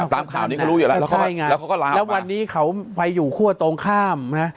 ตามข่าวนี้เขารู้อยู่แล้วแล้วเขาก็ล้ามาแล้ววันนี้เขาไปอยู่คั่วตรงข้ามนะ